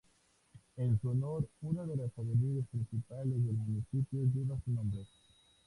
En su honor, una de las avenidas principales del municipio lleva su nombre.